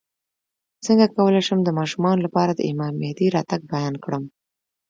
څنګه کولی شم د ماشومانو لپاره د امام مهدي راتګ بیان کړم